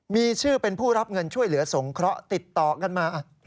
มีชื่อเป็นผู้รับเงินช่วยเหลือสงเคราะห์ติดต่อกันมา